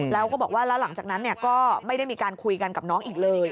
แล้วก็บอกว่าแล้วหลังจากนั้นก็ไม่ได้มีการคุยกันกับน้องอีกเลย